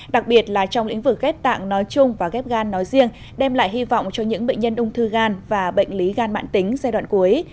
đặc biệt là trong lĩnh vực ghép tạng nói chung và ghép gan nói riêng đem lại hy vọng cho những bệnh nhân ung thư gan và bệnh lý gan mạng tính giai đoạn cuối